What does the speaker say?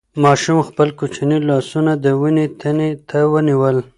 ماشوم خپل کوچني لاسونه د ونې تنې ته ونیول.